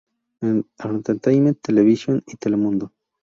Entertainment Television y Telemundo.